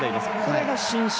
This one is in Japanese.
これが伸身。